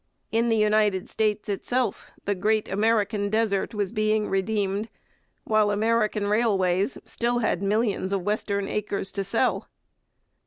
In the United States itself the 'Great American desert' was being redeemed, while American railways still had millions of western acres to sell.